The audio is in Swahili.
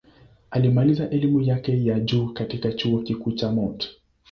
Alimaliza elimu yake ya juu katika Chuo Kikuu cha Mt.